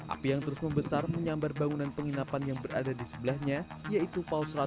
api yang terus membesar menyambar bangunan penginapan yang berada di sebelahnya yaitu paus seratus